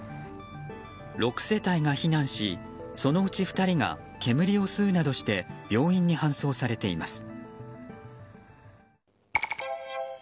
６世帯が避難しそのうち２人が煙を吸うなどして病院に搬送されています。